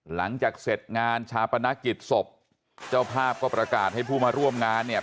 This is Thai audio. หลังจากเสร็จงานชาปนกิจศพเจ้าภาพก็ประกาศให้ผู้มาร่วมงานเนี่ย